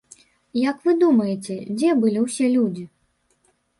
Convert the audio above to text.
Як вы думаеце, дзе былі ўсе людзі?